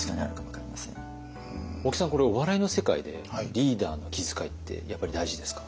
大木さんこれお笑いの世界でリーダーの気遣いってやっぱり大事ですか？